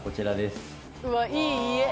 うわっいい家。